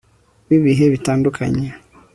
b'ibihe bitandukanye